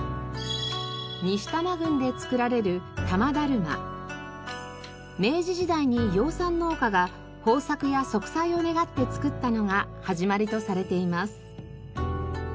西多摩郡で作られる明治時代に養蚕農家が豊作や息災を願って作ったのが始まりとされています。